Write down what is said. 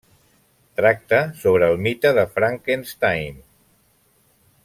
Tracta sobre el mite de Frankenstein.